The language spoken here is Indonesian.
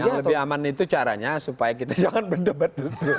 yang lebih aman itu caranya supaya kita jangan berdebat